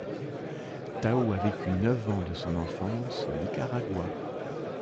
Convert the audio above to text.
Tao a vécu neuf ans de son enfance au Nicaragua.